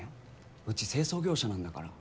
うち清掃業者なんだから。